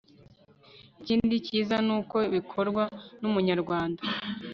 ikindi cyiza nuko bikorwa n umunyarwanda